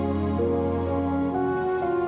ibu berhutang harganya